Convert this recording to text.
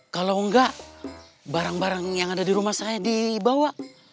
kalau enggak barang barang yang ada di rumah saya dibawa